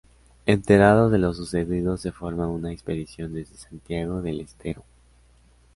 Enterados de lo sucedido se forma una expedición desde Santiago del Estero.